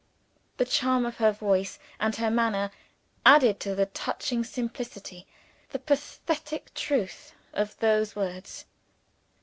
The charm of her voice and her manner, added to the touching simplicity, the pathetic truth of those words.